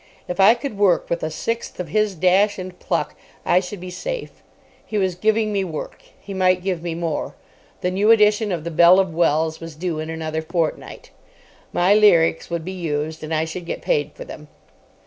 If I could work with a sixth of his dash and pluck, I should be safe. He was giving me work. He might give me more. The new edition of the Belle of Wells was due in another fortnight. My lyrics would be used, and I should get paid for them.